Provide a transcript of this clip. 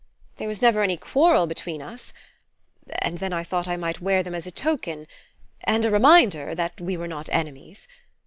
There was never any quarrel between us and then I thought I might wear them as a token and a reminder that we were not enemies.